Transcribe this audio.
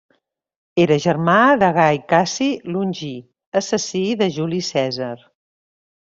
Era germà de Gai Cassi Longí, assassí de Juli Cèsar.